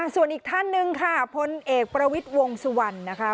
ส่วนอีกท่านหนึ่งค่ะพลเอกประวิทย์วงสุวรรณนะคะ